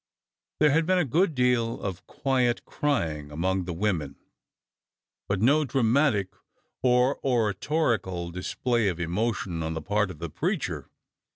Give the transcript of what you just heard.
There had been a good deal of quiet crying among the women, but no dramatic or oratorical display of emotion on the part of the preacher.